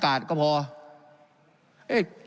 การปรับปรุงทางพื้นฐานสนามบิน